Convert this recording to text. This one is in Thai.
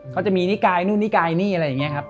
เขาจะมีนิกายนู่นนิกายนี่อะไรอย่างนี้ครับ